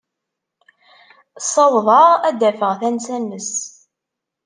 Ssawḍeɣ ad d-afeɣ tansa-nnes.